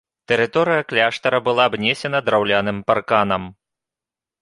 Тэрыторыя кляштара была абнесена драўляным парканам.